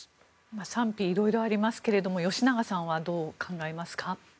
賛否色々ありますが吉永さんはどう考えますか？